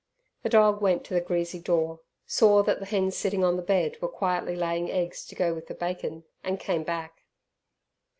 The dog went to the greasy door, saw that the hens sitting on the bed were quietly laying eggs to go with the bacon, and came back.